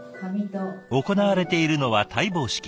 行われているのは戴帽式。